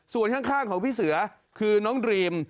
ส่วนข้างของพี่เสือคือน้องดรีม